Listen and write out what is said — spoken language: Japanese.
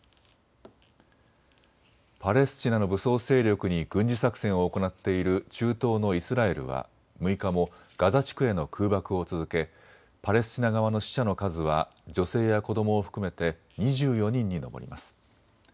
パレスチナの武装勢力に軍事作戦を行っている中東のイスラエルは６日もガザ地区への空爆を続け、パレスチナ側の死者の数は女性や子どもを含めて２４人に上ります。